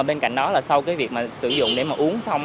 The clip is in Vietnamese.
bên cạnh đó là sau cái việc mà sử dụng để mà uống xong